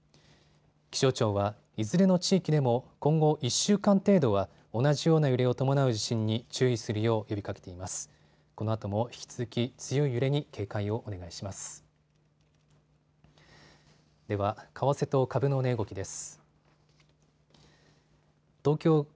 気象庁は、いずれの地域でも今後１週間程度は同じような揺れを伴う地震に注意するよう呼びかけています。